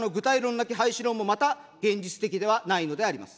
なき廃止論も、また、現実的ではないのであります。